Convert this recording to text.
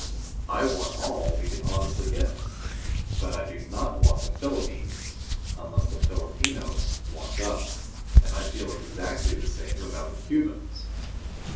I want all we can honestly get. But I do not want the Philippines unless the Filipinos want us, and I feel exactly the same about the Cubans.